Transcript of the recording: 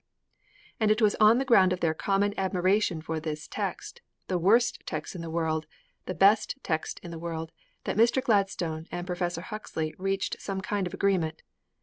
And it was on the ground of their common admiration for this text the worst text in the world, the best text in the world that Mr. Gladstone and Professor Huxley reached some kind of agreement.